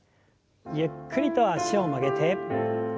ゆっくりと脚を曲げて。